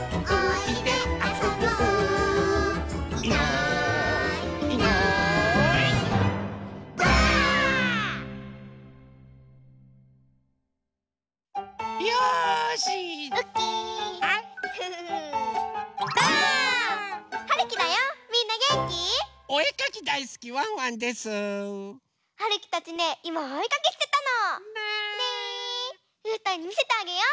うーたんにみせてあげよう！